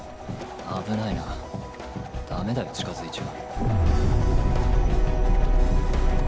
危ないなダメだよ近づいちゃ。